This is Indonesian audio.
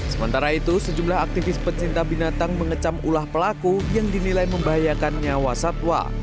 sementara itu sejumlah aktivis pecinta binatang mengecam ulah pelaku yang dinilai membahayakan nyawa satwa